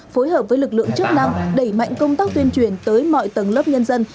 phối hợp với lực lượng chức năng đẩy mạnh công tác tuyên truyền tới mọi tầng lớp nhân dân